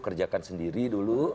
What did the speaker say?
kerjakan sendiri dulu